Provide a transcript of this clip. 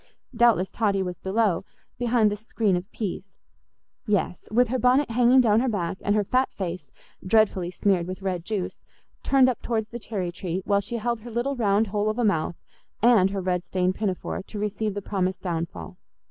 Doubtless Totty was below, behind the screen of peas. Yes—with her bonnet hanging down her back, and her fat face, dreadfully smeared with red juice, turned up towards the cherry tree, while she held her little round hole of a mouth and her red stained pinafore to receive the promised downfall.